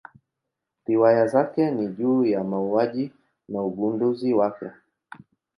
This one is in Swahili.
Riwaya zake ni juu ya mauaji na ugunduzi wake.